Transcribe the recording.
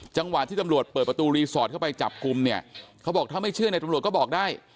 จังหวะที่ตำรวจเปิดประตูรีสอร์ทเข้าไปจับกลุ่มเนี่ยเขาบอกถ้าไม่เชื่อในตำรวจก็บอกได้